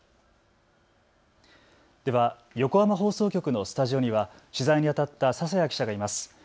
では横浜放送局のスタジオには取材にあたった笹谷記者がいます。